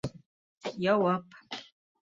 ЯУАП